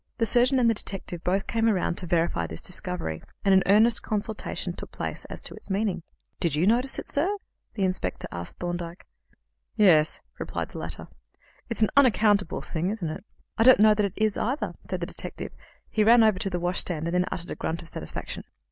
The surgeon and the detective both came round to verify this discovery, and an earnest consultation took place as to its meaning. "Did you notice it, sir?" the inspector asked Thorndyke. "Yes," replied the latter; "it's an unaccountable thing, isn't it?" "I don't know that it is, either," said the detective, he ran over to the washstand, and then uttered a grunt of satisfaction.